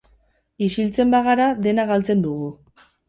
Isiltzen bagara dena galtzen dugu.